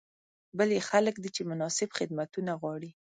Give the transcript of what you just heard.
بل یې خلک دي چې مناسب خدمتونه غواړي.